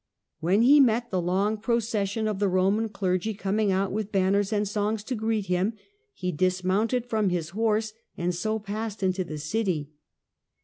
When he met the long procession of the Eoman clergy coming out with banners and songs to greet him, he dismounted from his horse, and so passed into the city.